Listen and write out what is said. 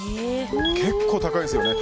結構高いですよね。